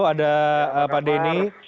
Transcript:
ada pak denny